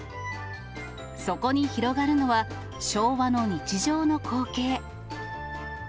そこに広がるのは、昭和の日常の光景。